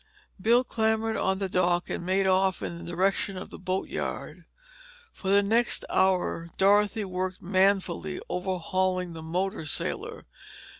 Bill clambered on to the dock and made off in the direction of the boat yard. For the next hour Dorothy worked manfully, overhauling the motor sailor.